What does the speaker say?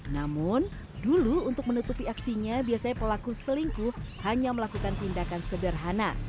namun dulu untuk menutupi aksinya biasanya pelaku selingkuh hanya melakukan tindakan sederhana